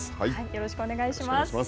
よろしくお願いします。